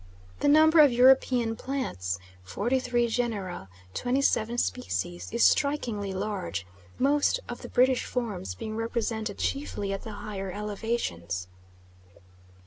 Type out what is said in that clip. The number of European plants (forty three genera, twenty seven species) is strikingly large, most of the British forms being represented chiefly at the higher elevations.